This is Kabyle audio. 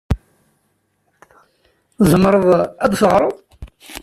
Tzemreḍ ad d-teɣreḍ?